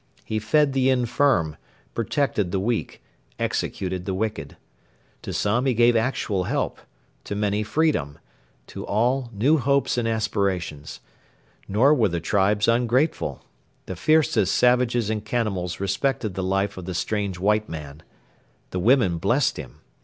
He fed the infirm, protected the weak, executed the wicked. To some he gave actual help, to many freedom, to all new hopes and aspirations. Nor were the tribes ungrateful. The fiercest savages and cannibals respected the life of the strange white man. The women blessed him.